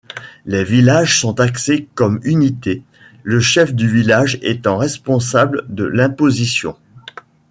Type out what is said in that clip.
Les villages sont taxés comme unités, le chef du village étant responsable de l'imposition.